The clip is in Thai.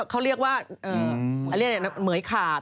เขาเรียกว่าเหมือยขาบ